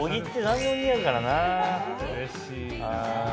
うれしいな！